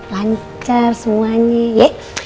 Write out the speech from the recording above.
lancar semuanya ye